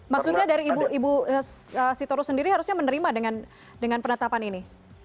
maksudnya dari ibu sitorus sendiri harusnya menerima dengan penetapan ini